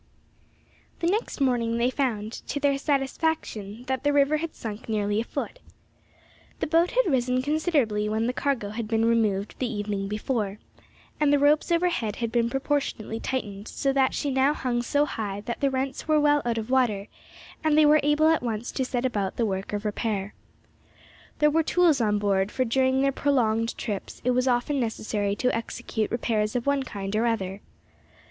THE next morning they found, to their satisfaction, that the river had sunk nearly a foot. The boat had risen considerably when the cargo had been removed the evening before, and the ropes overhead had been proportionately tightened, so that she now hung so high that the rents were well out of water, and they were able at once to set about the work of repair. There were tools on board, for during their prolonged trips it was often necessary to execute repairs of one kind or other.